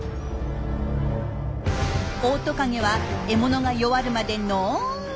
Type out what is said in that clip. オオトカゲは獲物が弱るまでのんびり。